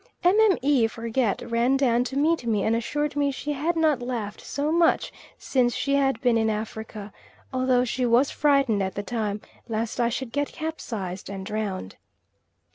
Mme. Forget ran down to meet me and assured me she had not laughed so much since she had been in Africa, although she was frightened at the time lest I should get capsized and drowned.